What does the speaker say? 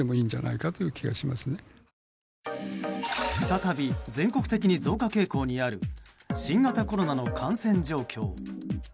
再び全国的に増加傾向にある新型コロナの感染状況。